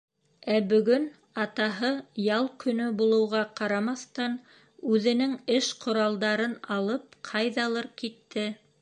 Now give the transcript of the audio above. Ә бөгөн атаһы, ял көнө булыуға ҡарамаҫтан, үҙенең эш ҡоралдарын алып ҡайҙалыр китте.